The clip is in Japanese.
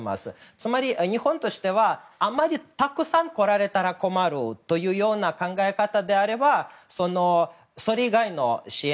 つまり、日本としてはあまりたくさん来られたら困るという考え方であればそれ以外の支援。